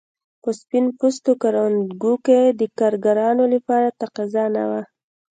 په سپین پوستو کروندو کې د کارګرانو لپاره تقاضا نه وه.